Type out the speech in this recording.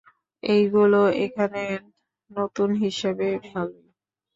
এইগুলো এখানে, নতুন হিসেবে ভালই।